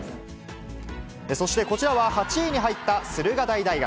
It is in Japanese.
そしてこちらは８位に入った駿河台大学。